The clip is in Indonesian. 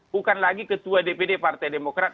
bukan lagi ketua dpd partai demokrat